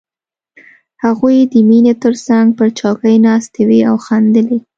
هغوی د مينې تر څنګ پر څوکۍ ناستې وې او خندلې